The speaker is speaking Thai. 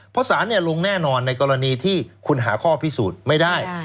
เพราะสารลงแน่นอนในกรณีที่คุณหาข้อพิสูจน์ไม่ได้